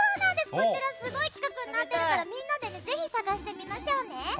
こちらすごい企画になってるからみんなでぜひ探してみましょうね。